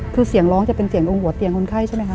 คือเสียงร้องจะเป็นเสียงตรงหัวเตียงคนไข้ใช่ไหมคะ